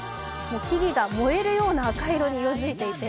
木々が燃えるような赤色に色づいていて、